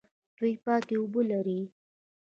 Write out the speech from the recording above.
دوی پاکې اوبه لري.